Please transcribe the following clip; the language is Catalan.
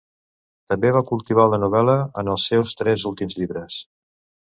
També va cultivar la novel·la en els seus tres últims llibres.